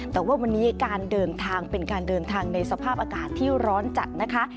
แต่ว่าวันนี้การเดินทางเป็นการเดินทางในสภาพอากาศที่ร้อนจัดนะคะ